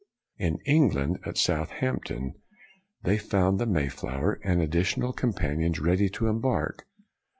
In England, at Southampton, they found the Mayflower, and additional companions ready to embark.